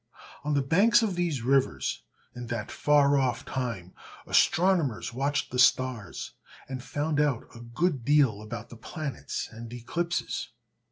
On the banks of these rivers, in that far off time, astronomers watched the stars, and found out a good deal about the planets and eclipses.